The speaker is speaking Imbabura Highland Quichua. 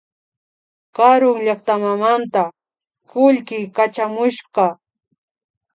Karuy llaktamanta kullki kachamushka